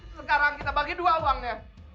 sekarang kita bagi dua uangnya